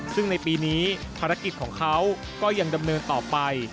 ซึ่งในปีนี้ภารกิจของเขาก็ยังดำเนินต่อไป